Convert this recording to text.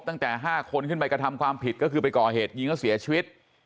ตั้งแต่๕คนขึ้นไปกระทำความผิดก็คือไปก่อเหตุยิงเขาเสียชีวิต